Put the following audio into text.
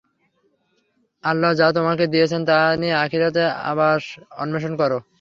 আল্লাহ্ যা তোমাকে দিয়েছেন, তা দিয়ে আখিরাতের আবাস অন্বেষণ কর।